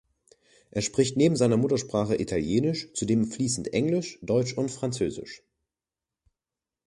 Er spricht neben seiner Muttersprache Italienisch zudem fließend Englisch, Deutsch und Französisch.